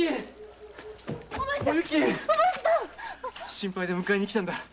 心配で迎えに来たんだ。